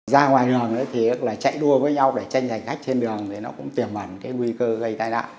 ra ngoài đường thì chạy đua với nhau để tranh giành khách trên đường thì nó cũng tiềm ẩn cái nguy cơ gây tai nạn